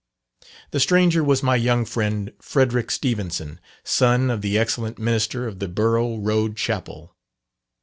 The stranger was my young friend Frederick Stevenson, son of the excellent minister of the Borough Road Chapel.